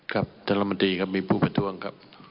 ครับท่านสมบัติครับมีผู้ประทรวงครับ